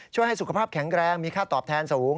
ให้สุขภาพแข็งแรงมีค่าตอบแทนสูง